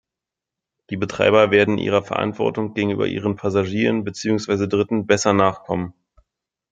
Die Betreiber werden ihrer Verantwortung gegenüber ihren Passagieren beziehungsweise Dritten besser nachkommen.